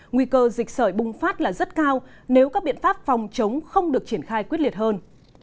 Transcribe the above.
nguy cơ dịch sởi bùng phát là rất cao nếu các biện pháp phòng chống không được triển khai quyết liệt hơn